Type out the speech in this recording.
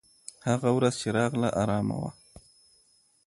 هغه ورځ چې راغله، ارامه وه.